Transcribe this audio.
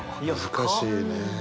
難しいね。